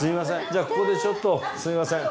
じゃあここでちょっとすみません。